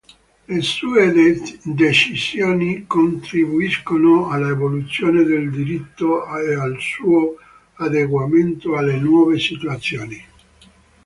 Le sue decisioni contribuiscono all’evoluzione del diritto e al suo adeguamento alle nuove situazioni.